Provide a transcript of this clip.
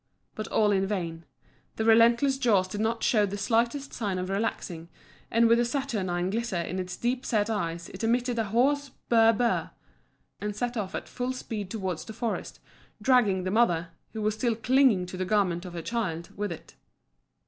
But all in vain: the relentless jaws did not show the slightest sign of relaxing, and with a saturnine glitter in its deep set eyes it emitted a hoarse burr burr, and set off at full speed towards the forest, dragging the mother, who was still clinging to the garment of her child, with it.